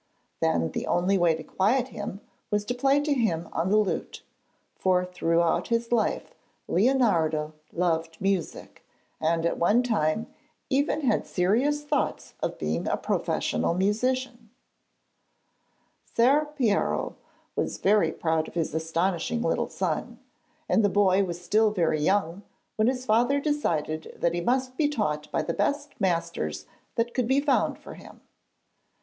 Then the only way to quiet him was to play to him on the lute; for throughout his life Leonardo loved music, and at one time even had serious thoughts of being a professional musician. Ser Piero was very proud of his astonishing little son, and the boy was still very young when his father decided that he must be taught by the best masters that could be found for him.